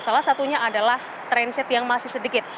salah satunya adalah transit yang masih sedikit